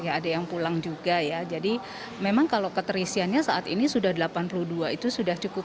ya ada yang pulang juga ya jadi memang kalau keterisiannya saat ini sudah delapan puluh dua itu sudah cukup